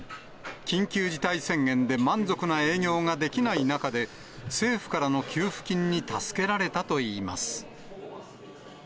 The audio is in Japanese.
緊急事態宣言で満足な営業ができない中で、政府からの給付金に助けられたといいます。